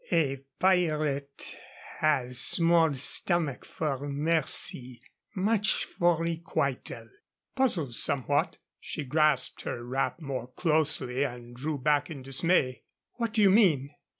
A pirate has small stomach for mercy much for requital." Puzzled somewhat, she grasped her wrap more closely and drew back in dismay. "What do you mean?